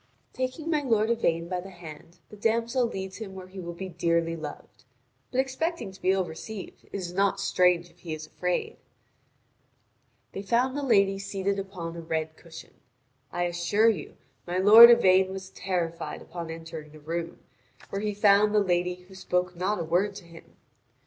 (Vv. 1943 2036.) Taking my lord Yvain by the hand, the damsel leads him where he will be dearly loved; but expecting to be ill received, it is not strange if he is afraid. They found the lady seated upon a red cushion. I assure you my lord Yvain was terrified upon entering the room, where he found the lady who spoke not a word to him.